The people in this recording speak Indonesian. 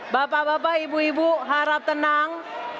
bapak bapak ibu ibu harap tenang